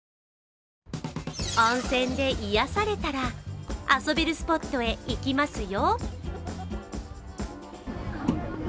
温泉で癒やされたら、遊べるスポットへ行きますよ。